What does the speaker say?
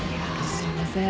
すいません。